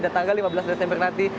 dan tanggal lima belas desember nanti